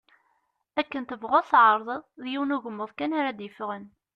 Akken tebɣuḍ tεerḍeḍ, d yiwen ugmuḍ kan ara d-yeffɣen.